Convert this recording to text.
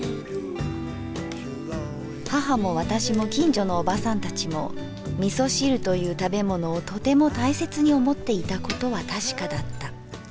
「母も私も近所のおばさんたちも味噌汁という食物をとても大切に思っていたことはたしかだった。